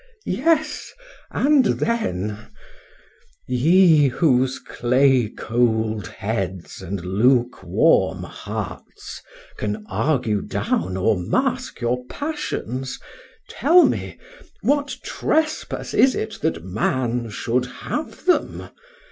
YES,—and then—. Ye whose clay cold heads and luke warm hearts can argue down or mask your passions, tell me, what trespass is it that man should have them?